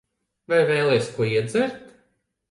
Vai vēlies ko iedzert?